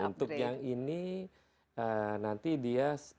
untuk yang ini nanti dia